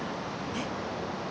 えっ？